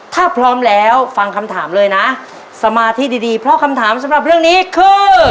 ถ้าพร้อมแล้วฟังคำถามเลยนะสมาธิดีดีเพราะคำถามสำหรับเรื่องนี้คือ